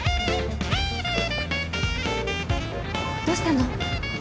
どうしたの？